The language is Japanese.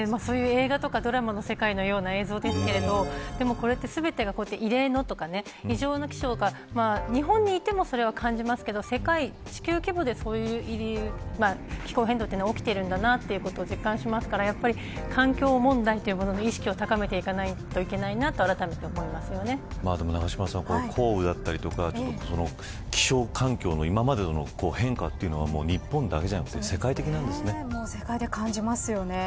映画とかドラマの世界のような映像ですけれどもこれで全てが異例のとか異常な気象とか日本にいてもそれは感じますけど世界地球規模でそういう気候変動というのが起きているんだなということを実感しますからやっぱり環境問題というものの意識を高めていかないといけないなと永島さん、降雨だったりとか気象環境の今までの変化というのは日本だけじゃなくて世界で感じますよね。